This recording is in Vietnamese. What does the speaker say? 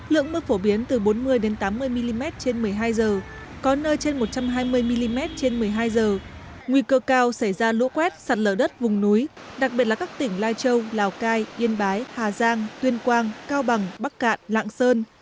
lượng mưa phổ biến từ bốn mươi tám mươi mm trên một mươi hai h có nơi trên một trăm hai mươi mm trên một mươi hai h nguy cơ cao xảy ra lũ quét sạt lở đất vùng núi đặc biệt là các tỉnh lai châu lào cai yên bái hà giang tuyên quang cao bằng bắc cạn lạng sơn